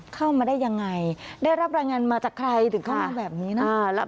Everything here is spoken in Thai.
เข้ามาได้ยังไงได้รับรายงานมาจากใครถึงเข้ามาแบบนี้นะ